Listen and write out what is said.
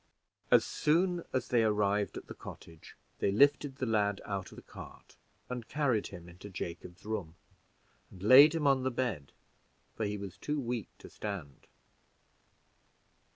As soon as they arrived at the cottage, they lifted the lad out of the cart, and carried him into Jacob's room, and laid him on the bed, for he was too weak to stand.